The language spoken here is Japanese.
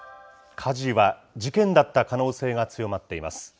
火事は事件だった可能性が強まっています。